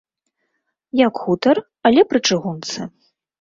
Як хутар, але пры чыгунцы.